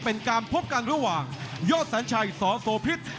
เป็นการพบกันระหว่างยอดสัญชัยสโสพิษ